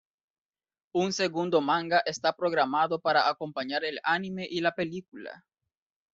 Un segundo manga está programado para acompañar el anime y la película.